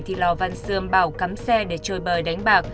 thì lò văn xương bảo cắm xe để trôi bờ đánh bạc